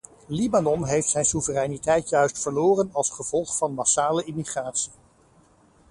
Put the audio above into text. Libanon heeft zijn soevereiniteit juist verloren als gevolg van massale immigratie.